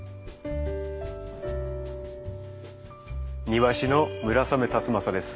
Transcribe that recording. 庭師の村雨辰剛です。